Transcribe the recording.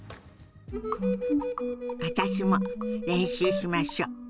私も練習しましょ。